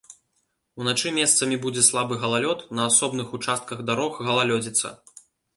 Уначы месцамі будзе слабы галалёд, на асобных участках дарог галалёдзіца.